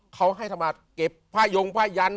เขาให้ทำมาเก็บผ้ายงผ้ายัน